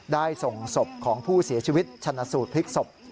ได้ส่งศพของผู้เสียชีวิตชนะสูตรพลิกศพ